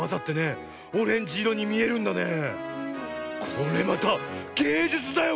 これまたげいじゅつだよ